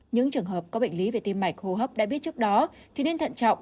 những trường hợp có bệnh lý về tim mạch hô hấp đã biết trước đó thì nên thận trọng